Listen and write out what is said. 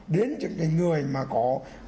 đến những cái người mà có